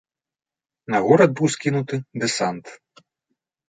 На горад быў скінуты дэсант.